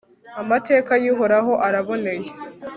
amateka y'uhoraho araboneye